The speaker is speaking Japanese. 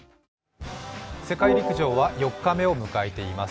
世界陸上は４日目を迎えています。